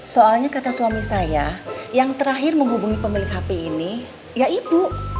soalnya kata suami saya yang terakhir menghubungi pemilik hp ini ya ibu